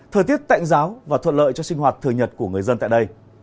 thời tiết tệnh giáo và thuận lợi cho sinh hoạt thường nhật của người dân tại đây